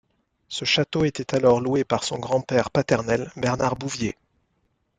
Ce château était alors loué par son grand-père paternel, Bernard Bouvier.